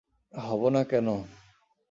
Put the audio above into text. হবো না কেন?